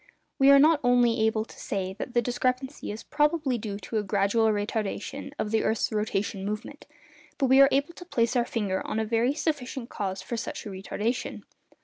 We are not only able to say that the discrepancy is probably due to a gradual retardation of the earth's rotation movement, but we are able to place our finger on a very sufficient cause for such a retardation.